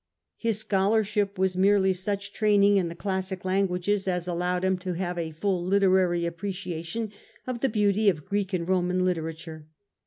His scholarship was merely such training in the classic languages as allowed him to have a full literary appreciation of the beauty of Greek and Roman literature.